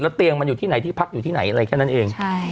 เตียงมันอยู่ที่ไหนที่พักอยู่ที่ไหนอะไรแค่นั้นเอง